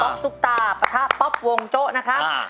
ซุปตาปะทะป๊อปวงโจ๊นะครับ